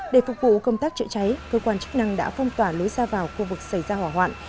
để phục vụ công tác chữa cháy cơ quan chức năng đã phong tỏa lối ra vào khu vực xảy ra hỏa hoạn